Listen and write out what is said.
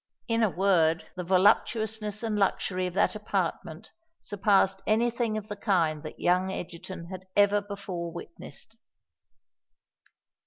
In a word, the voluptuousness and luxury of that apartment surpassed any thing of the kind that young Egerton had ever before witnessed.